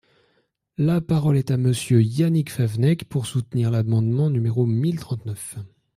La parole est à Monsieur Yannick Favennec, pour soutenir l’amendement numéro mille trente-neuf.